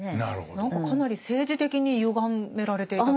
何かかなり政治的にゆがめられていたってこと？